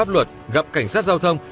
luật gặp cảnh sát giao thông